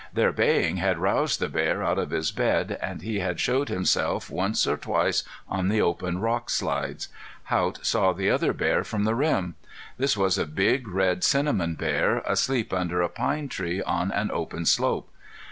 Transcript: Their baying had roused the bear out of his bed, and he had showed himself once or twice on the open rock slides. Haught saw the other bear from the rim. This was a big, red, cinnamon bear asleep under a pine tree on an open slope.